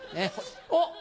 おっ！